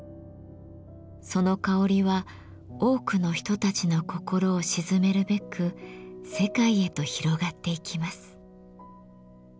その香りは多くの人たちの心を静めるべく世界へと広がっていきます。